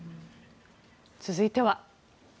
続いては。